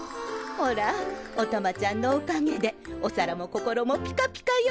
ほらおたまちゃんのおかげでお皿も心もピカピカよ！